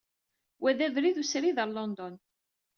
Wa d abrid usrid ɣer London.